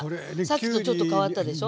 さっきとちょっと変わったでしょ。